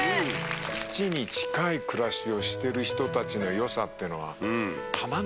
土に近い暮らしをしてる人たちのよさってのはたまんないね。